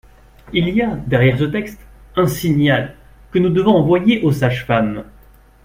Il y a derrière ce texte un signal, que nous devons envoyer aux sages-femmes.